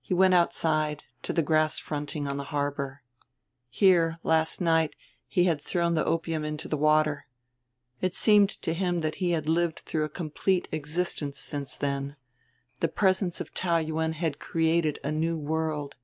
He went outside, to the grass fronting on the harbor. Here, last night, he had thrown the opium into the water. It seemed to him that he had lived through a complete existence since then: the presence of Taou Yuen had created a new world.